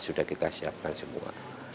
sudah kita siapkan semua